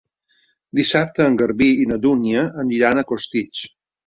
Dissabte en Garbí i na Dúnia iran a Costitx.